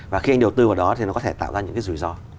và khi anh đầu tư vào đó thì nó có thể tạo ra những cái rủi ro